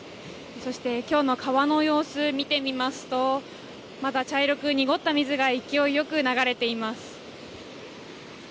そして今日も川の様子を見てみますとまだ茶色く濁った水が勢いよく流れています。